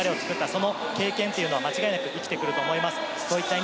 その経験が間違いなく生きてくると思います。